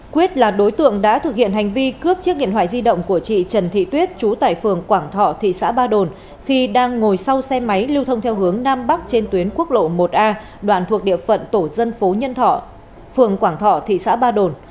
quyết là đối tượng đã thực hiện hành vi cướp chiếc điện thoại di động của chị trần thị tuyết chú tại phường quảng thọ thị xã ba đồn khi đang ngồi sau xe máy lưu thông theo hướng nam bắc trên tuyến quốc lộ một a đoạn thuộc địa phận tổ dân phố nhân thọ phường quảng thọ thị xã ba đồn